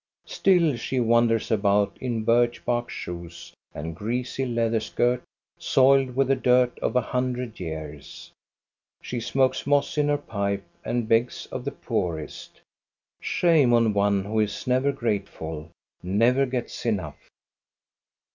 Still she wanders about in birch bark shoes and greasy leather skirt soiled with the dirt of a hundred years. She smokes moss in her pipe and begs of the poorest. Shame on one who is never grateful, never gets enough